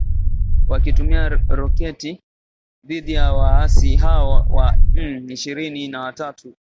wakitumia roketi dhidi ya waasi hao wa M ishirini na tatu na kuwalazimu kukimbia kambi zao na kuingia Uganda na Rwanda